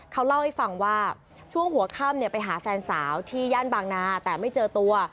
เขาเล่าให้ฟังว่าช่วงหัวค่ำไปหาแฟนสาวที่ย่านบางนาแต่ไม่เจอตัว